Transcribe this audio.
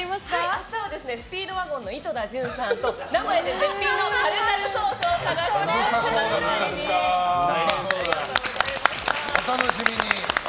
明日はスピードワゴンの井戸田潤さんと名古屋で絶品のタルタルソースを探します。